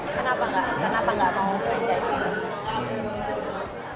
kenapa gak mau franchise